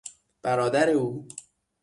برادر او